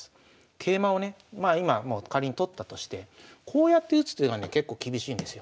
桂馬をねまあ今もう仮に取ったとしてこうやって打つ手がね結構厳しいんですよ。